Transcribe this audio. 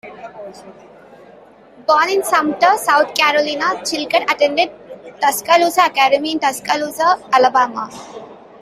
Born in Sumter, South Carolina, Chilcutt attended Tuscaloosa Academy in Tuscaloosa, Alabama.